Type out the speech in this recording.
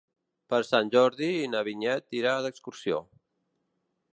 Per Sant Jordi na Vinyet irà d'excursió.